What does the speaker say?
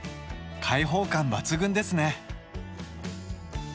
開放感抜群ですね。